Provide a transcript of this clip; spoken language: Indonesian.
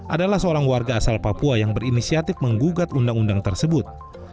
adalah seorang warga asal papua yang berinisiatif menggugat undang undang tersebut